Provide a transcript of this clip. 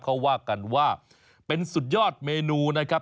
เขาว่ากันว่าเป็นสุดยอดเมนูนะครับ